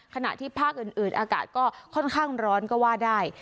ขณะที่ภาคอื่นอากาศก็ค่อนข้างร้อนก็ว่าได้